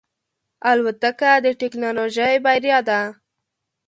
الوتکه د ټکنالوژۍ بریا ده.